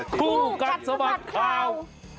คู่กัฆสบัติข้าว